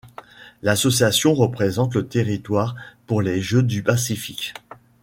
L'association représente le territoire pour les Jeux du Pacifique.